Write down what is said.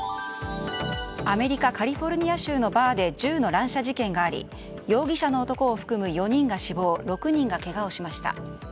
アメリカ・カリフォルニア州のバーで銃の乱射事件があり容疑者の男を含む４人が死亡６人がけがをしました。